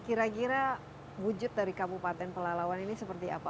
kira kira wujud dari kabupaten pelalawan ini seperti apa